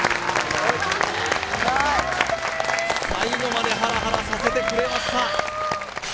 最後までハラハラさせてくれました